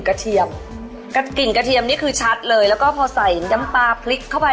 เทียมกระกิ่งกระเทียมนี่คือชัดเลยแล้วก็พอใส่น้ำปลาพริกเข้าไป